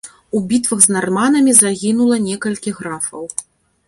У бітвах з нарманамі загінула некалькі графаў.